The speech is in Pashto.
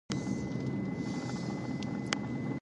د مور ملاتړ د ماشوم باور پياوړی ساتي.